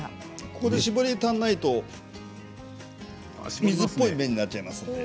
ここで絞りが足りないと水っぽい麺になっちゃいますので。